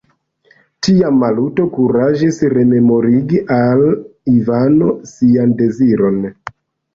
Tiam Maluto kuraĝis rememorigi al Ivano sian deziron.